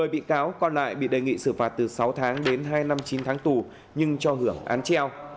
một mươi bị cáo còn lại bị đề nghị xử phạt từ sáu tháng đến hai năm chín tháng tù nhưng cho hưởng án treo